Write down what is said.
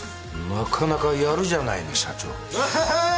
なかなかやるじゃないの社長ウヘヘーイ